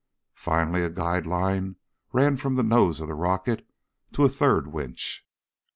Finally a guide line ran from the nose of the rocket to a third winch.